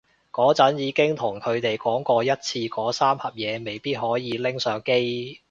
嗰陣已經同佢哋講過一次嗰三盒嘢未必可以拎上機